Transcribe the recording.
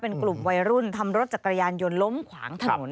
เป็นกลุ่มวัยรุ่นทำรถจักรยานยนต์ล้มขวางถนน